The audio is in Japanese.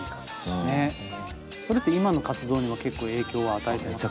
それって今の活動にも結構影響は与えていますか？